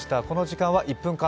この時間は「１分！